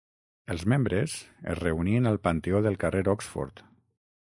Els membres es reunien al Panteó del carrer Oxford.